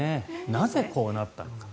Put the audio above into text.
なぜ、こうなったのか。